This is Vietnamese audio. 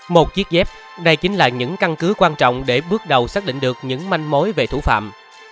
một chiếc dép đây chính là những căn cứ quan trọng để bước đầu xác định được những manh mối về thủ phạm